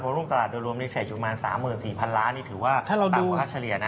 พอรุ่นตลาดโดยรวมนิเศษจุดมา๓๔๐๐๐ล้านนี่ถือว่าต่างประชาเฉลี่ยนะ